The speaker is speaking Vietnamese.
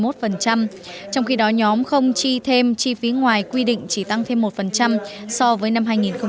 trong khi đó nhóm không chi thêm chi phí ngoài quy định chỉ tăng thêm một so với năm hai nghìn một mươi bảy